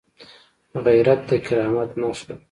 غیرت د کرامت نښه ده